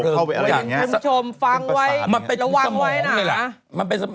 ทุกท่านชมฟังไว้ระวังไว้นะ